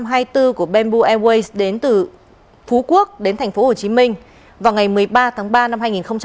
qh một nghìn năm trăm hai mươi bốn của bamboo airways đến từ phú quốc đến tp hcm vào ngày một mươi ba tháng ba năm hai nghìn hai mươi